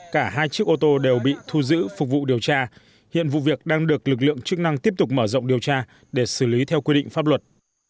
cả hai chiếc ô tô đều bị thu giữ phục vụ điều tra hiện vụ việc đang được lực lượng chức năng tiếp tục mở rộng điều tra để xử lý theo quy định pháp luật